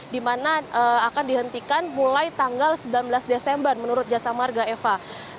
di mana akan dihentikan mulai tanggal sembilan belas desember menurut jasa marga eva